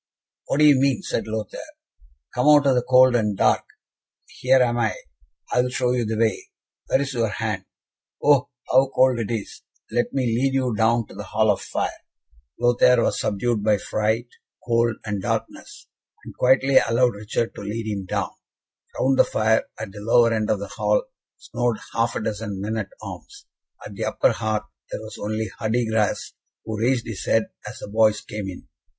"What do you mean?" said Lothaire. "Come out of the cold and dark. Here am I. I will show you the way. Where is your hand? Oh, how cold it is. Let me lead you down to the hall fire." Lothaire was subdued by fright, cold, and darkness, and quietly allowed Richard to lead him down. Round the fire, at the lower end of the hall, snored half a dozen men at arms; at the upper hearth there was only Hardigras, who raised his head as the boys came in.